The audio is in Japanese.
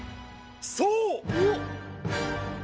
そう！